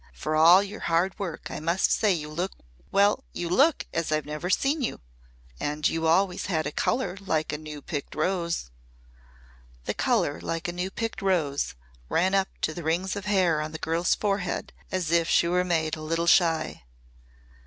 "For all your hard work, I must say you look well, you look as I've never seen you. And you always had a colour like a new picked rose." The colour like a new picked rose ran up to the rings of hair on the girl's forehead as if she were made a little shy.